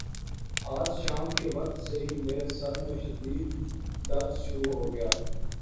آج شام کے وقت سے ہی میرے سر میں شدد درد شروع ہو گیا۔